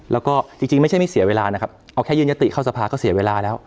แล้วก็จริงไม่ใช่ไม่เสียเวลานะครับเอาแค่ยื่นยติเข้าสภาก็เสียเวลาแล้ว